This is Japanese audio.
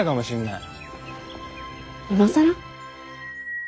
今更？